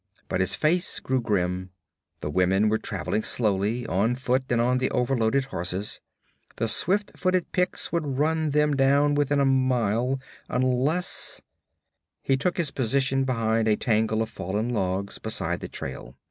But his face grew grim. The women were traveling slowly, on foot and on the overloaded horses. The swift footed Picts would run them down within a mile, unless he took his position behind a tangle of fallen logs beside the trail.